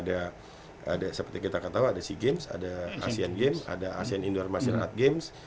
ada seperti kita ketahui ada sea games ada asean games ada asean indoor masjid at games